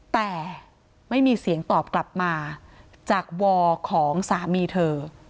แต่ไม่มีเสียงตอบกลับมาจากวอของสามีเธอ